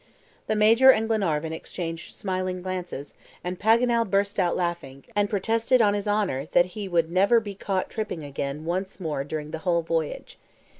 The Major and Glenarvan exchanged smiling glances, and Paganel burst out laughing, and protested on his honor that he would never be caught tripping again once more during the whole voyage.